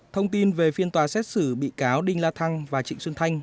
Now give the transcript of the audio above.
thông tin về phiên tòa xét xử bị cáo đinh la thăng và trịnh xuân thanh